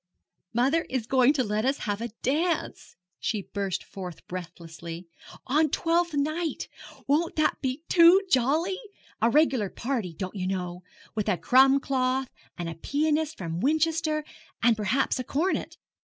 'Mother is going to let us have a dance,' she burst forth breathlessly, 'on Twelfth Night! Won't that be too jolly? A regular party, don't you know, with a crumb cloth, and a pianiste from Winchester, and perhaps a cornet.